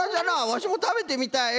わしもたべてみたい。